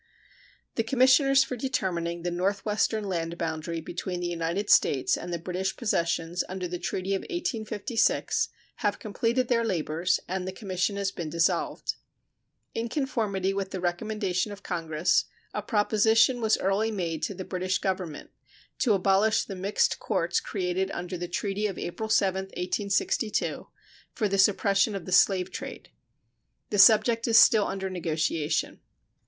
The commissioners for determining the northwestern land boundary between the United States and the British possessions under the treaty of 1856 have completed their labors, and the commission has been dissolved. In conformity with the recommendation of Congress, a proposition was early made to the British Government to abolish the mixed courts created under the treaty of April 7, 1862, for the suppression of the slave trade. The subject is still under negotiation.